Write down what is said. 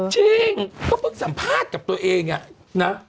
จริงก็เพิ่งสัมภาษณ์กับตัวเองนะ